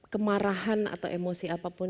kemarahan atau emosi apapun